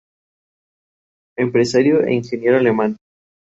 oído cocina. Ahora mismo me pongo a ello